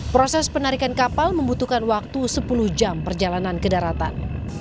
proses penarikan kapal membutuhkan waktu sepuluh jam perjalanan ke daratan